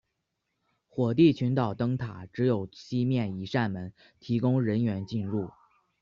火地群岛灯塔只有西面一扇门提供人员进入。